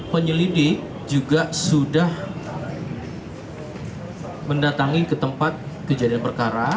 penyelidik juga sudah mendatangi ke tempat kejadian perkara